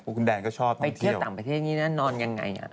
พวกคุณแดนก็ชอบต้องเที่ยวไปเที่ยวต่างประเทศนี้น่ะนอนยังไง